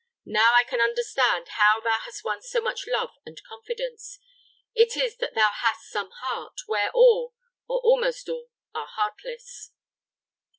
Now I can understand how thou hast won so much love and confidence; it is that thou hast some heart, where all, or almost all, are heartless."